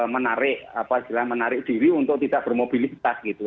menarik apa istilah menarik diri untuk tidak bermobilitas gitu